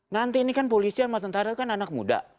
nanti ini kan polisi sama tentara kan anak muda